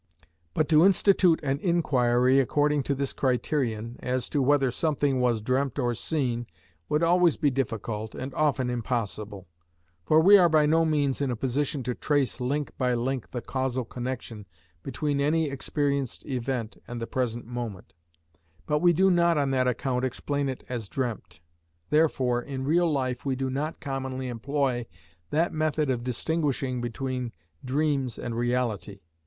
But to institute an inquiry according to this criterion, as to whether something was dreamt or seen, would always be difficult and often impossible. For we are by no means in a position to trace link by link the causal connection between any experienced event and the present moment, but we do not on that account explain it as dreamt. Therefore in real life we do not commonly employ that method of distinguishing between dreams and reality.